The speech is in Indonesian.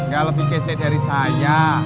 gak lebih kece dari saya